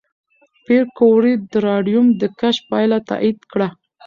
پېیر کوري د راډیوم د کشف پایله تایید کړه.